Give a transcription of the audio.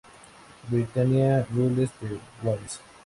Britannia Rules the Waves!